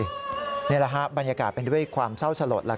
นี่แหละฮะบรรยากาศเป็นด้วยความเศร้าสลด